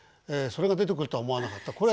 それが出てくるとは思わなかった。